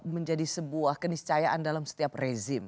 menjadi sebuah keniscayaan dalam setiap rezim